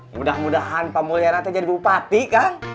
mudah mudahan pamuliana jadi bupati kang